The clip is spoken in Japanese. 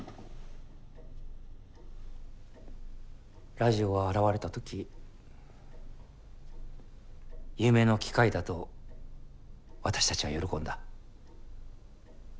ラジオが現れた時夢の機械だと私たちは喜んだ。